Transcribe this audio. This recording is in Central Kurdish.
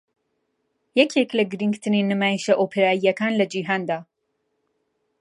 یەکێک لە گرنگترین نمایشە ئۆپێراییەکان لە جیهاندا